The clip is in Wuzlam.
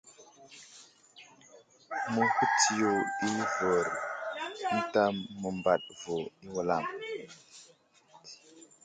Məhutsiyo i avər ənta məmbaɗ vo i wulam.